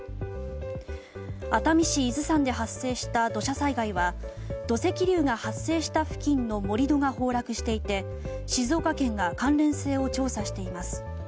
熱海市伊豆山で発生した土砂災害は土石流が発生した付近の盛り土が崩落していて静岡県が関連性を調査しています。